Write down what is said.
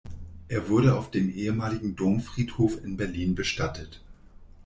Er wurde auf dem ehemaligen Domfriedhof in Berlin bestattet.